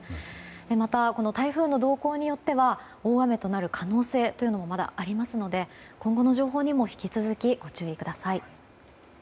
また、台風の動向によっては大雨となる可能性もまだありますので今後の情報にも引き続きご注意ください。